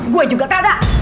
gue juga kagak